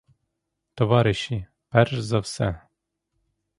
Товариші — перш за все!